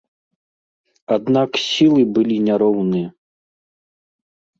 Аднак сілы былі няроўныя.